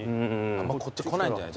あんまこっち来ないんじゃない？